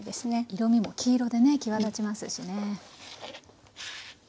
色みも黄色でね際立ちますしね。